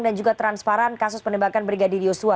dan juga transparan kasus penembakan brigadir yosua